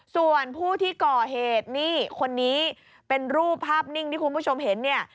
ส่วนผู้ที่ก่อเหตุนี่คนนี้เป็นรูปภาพนิ่งที่คุณผู้ชมเห็นเนี่ย